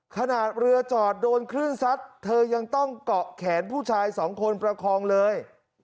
ขนาดเรือจอดโดนคลื่นซัดเธอยังต้องเกาะแขนผู้ชายสองคนประคองเลย